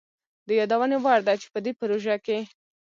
د يادوني وړ ده چي په دې پروژه کي